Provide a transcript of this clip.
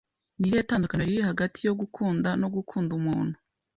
Ni irihe tandukaniro riri hagati yo gukunda no gukunda umuntu?